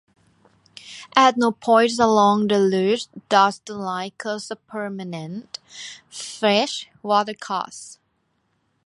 At no point along the route does the line cross a permanent fresh watercourse.